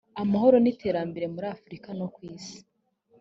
amahoro n iterambere muri afurika no ku isi